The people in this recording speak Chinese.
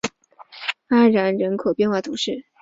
阿然人口变化图示